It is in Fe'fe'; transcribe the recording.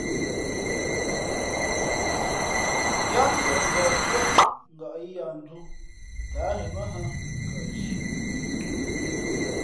Yáá ntieʼ ngαh pʉ́ά ngα̌ yīī ya ndū tα á ghen mα nhᾱ, nkαʼzhi.